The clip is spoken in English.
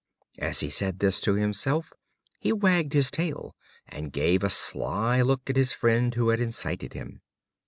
As he said this to himself, he wagged his tail, and gave a sly look at his friend who had incited him.